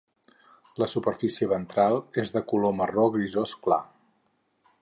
La superfície ventral és de color marró grisós clar.